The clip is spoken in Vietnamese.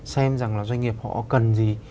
xem rằng là doanh nghiệp họ cần gì